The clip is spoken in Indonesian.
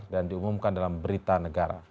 dan diumumkan dalam berita negara